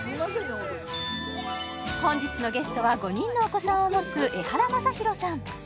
ホントに本日のゲストは５人のお子さんを持つエハラマサヒロさん